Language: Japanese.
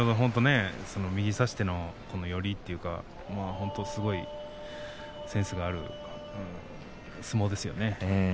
右、差しての寄りというかセンスがある相撲ですよね。